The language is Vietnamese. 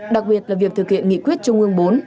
đặc biệt là việc thực hiện nghị quyết trung ương bốn